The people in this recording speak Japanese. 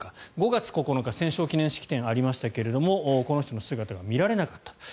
５月９日、戦勝記念式典がありましたがこの人の姿が見られなかった。